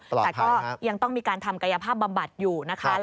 ปลอดภัยครับแต่ก็ยังต้องมีการทำกายภาพบำบัดอยู่